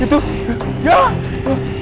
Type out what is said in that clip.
ini apaan tuh